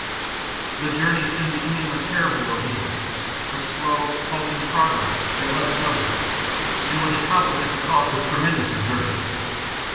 The journey soon became a terrible ordeal, a slow, halting progress that led nowhere and was accomplished at the cost of tremendous exertion.